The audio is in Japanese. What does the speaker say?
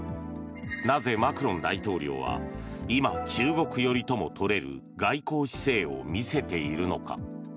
なぜ、マクロン大統領は今中国寄りともとれる外交姿勢を見せているのか。